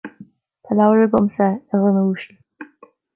Tá leabhar agamsa, a dhuine uasail